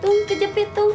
tung kejepit tung